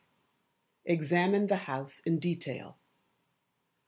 Examine the House in Detail.